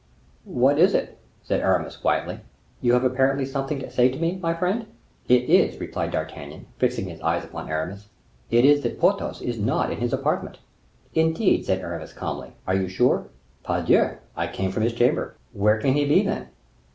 "What is it?" said Aramis, quietly. "You have apparently something to say to me, my friend." "It is," replied D'Artagnan, fixing his eyes upon Aramis, "it is that Porthos is not in his apartment." "Indeed," said Aramis calmly; "are you sure?" "Pardieu! I came from his chamber." "Where can he be, then?"